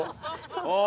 ああ。